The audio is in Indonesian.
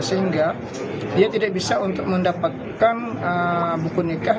sehingga dia tidak bisa untuk mendapatkan buku nikah